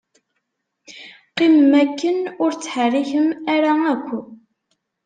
Qqimem akken ur ttḥerrikem ara akk.